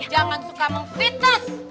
jangan suka mengfitnah